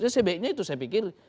sebaiknya itu saya pikir